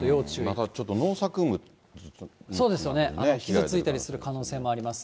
またちょっと農作物などがね、傷ついたりする可能性もあります。